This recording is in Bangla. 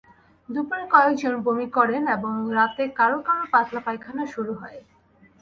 দুপুরে কয়েকজন বমি করেন এবং রাতে কারও কারও পাতলা পায়খানা শুরু হয়।